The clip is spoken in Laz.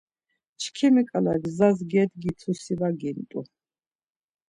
Çkimi ǩala gzas gedgitu si var gint̆u.